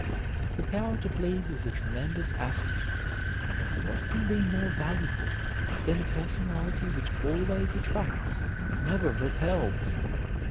The power to please is a tremendous asset. What can be more valuable than a personality which always attracts, never repels?